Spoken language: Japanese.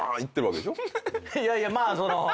いやいやまあその。